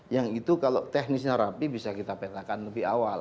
yang itu kalau teknisnya rapi bisa kita petakan lebih awal